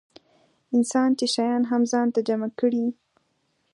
انسان چې شیان هم ځان ته جمع کړي.